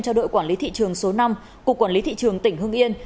cho đội quản lý thị trường số năm của quản lý thị trường tỉnh hương yên